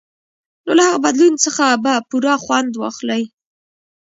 نو له هغه بدلون څخه به پوره خوند واخلئ.